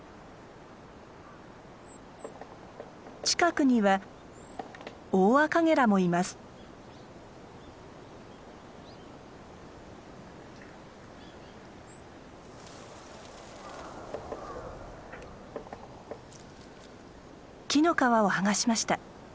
近くには木の皮を剥がしました。